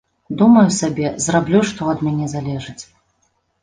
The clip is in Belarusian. Думаю сабе, зраблю, што ад мяне залежыць.